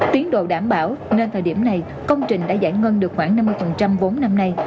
tiến độ đảm bảo nên thời điểm này công trình đã giải ngân được khoảng năm mươi vốn năm nay